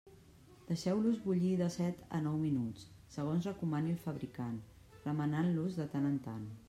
Deixeu-los bullir de set a nou minuts, segons recomani el fabricant, remenant-los de tant en tant.